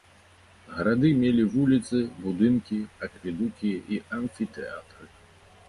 Гарады мелі вуліцы, будынкі, акведукі і амфітэатры.